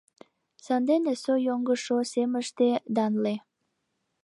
Сандене со йоҥгышо семыште данле